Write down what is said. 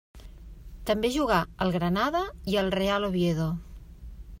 També jugà al Granada i al Real Oviedo.